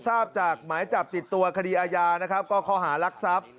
ทราบจากหมายจับติดตัวคดีอาญานะครับก็ข้อหารักทรัพย์